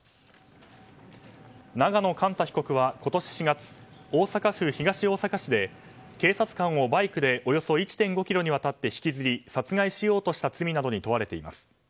永野莞太被告は今年４月大阪府東大阪市で警察官をバイクでおよそ１．５ｋｍにわたって引きずり殺害しようとした罪などに問われています。